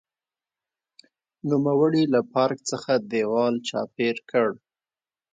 نوموړي له پارک څخه دېوال چاپېر کړ.